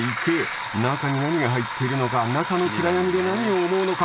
中に何が入っているのか中の暗闇で何を思うのか？